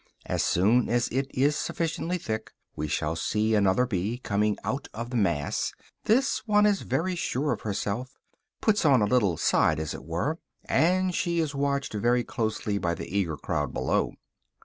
As soon as it is sufficiently thick, we shall see another bee coming out of the mass. This one is very sure of herself, puts on a little side as it were; and she is watched very closely by the eager crowd below.